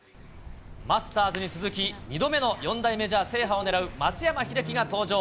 マスターズに続き、２度目の４大メジャー制覇を狙う松山英樹が登場。